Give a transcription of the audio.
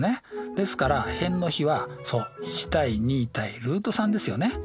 ですから辺の比はそう１対２対ルート３ですよね。